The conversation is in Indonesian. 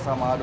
sama segar ya